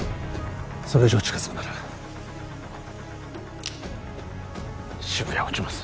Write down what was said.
それ以上近づくなら渋谷を撃ちます